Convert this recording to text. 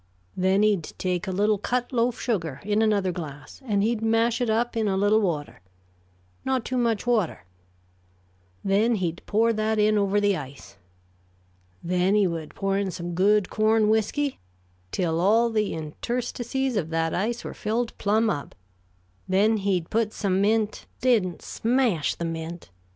Then he'd take a little cut loaf sugar, in another glass, and he'd mash it up in a little water not too much water then he'd pour that in over the ice. Then he would pour in some good corn whisky, till all the interstices of that ice were filled plumb up; then he'd put some mint " "Didn't smash the mint?